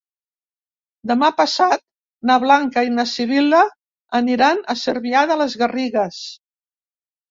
Demà passat na Blanca i na Sibil·la aniran a Cervià de les Garrigues.